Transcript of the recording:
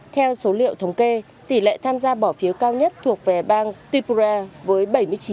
theo số liệu thống kê tỷ lệ tham gia bỏ phiếu cao nhất thuộc về bang tupra với bảy mươi chín